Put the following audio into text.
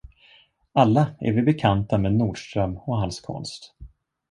Alla är vi bekanta med Nordström och hans konst.